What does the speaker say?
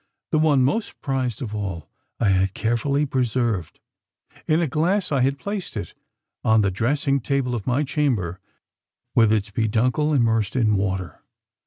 The one most prized of all, I had carefully preserved. In a glass I had placed it, on the dressing table of my chamber, with its peduncle immersed in water.